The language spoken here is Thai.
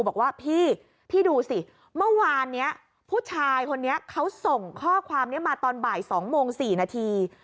บอกว่าพี่พี่ดูสิเมื่อวานนี้ผู้ชายคนนี้เขาส่งข้อความนี้มาตอนบ่าย๒โมง๔นาที